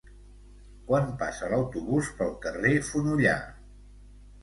Quan passa l'autobús pel carrer Fonollar?